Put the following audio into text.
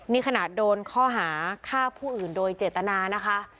นี่ขนาดโดนข้อหาฆ่าผู้อื่นโดยเจตนานะคะ